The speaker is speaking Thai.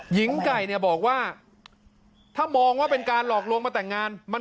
หญิงไก่เนี่ยบอกว่าถ้ามองว่าเป็นการหลอกลวงมาแต่งงาน